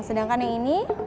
sedangkan yang ini